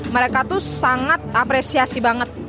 mereka tuh sangat apresiasi banget